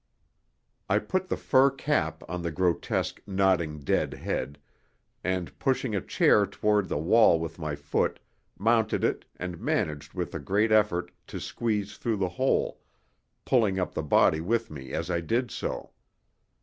I put the fur cap on the grotesque, nodding dead head, and, pushing a chair toward the wall with my foot, mounted it and managed with a great effort to squeeze through the hole, pulling up the body with me as I did so.